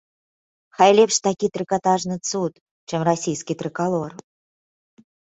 Хай лепш такі трыкатажны цуд, чым расійскі трыкалор.